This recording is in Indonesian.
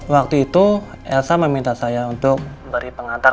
waktu itu elsa meminta saya untuk beri pengantar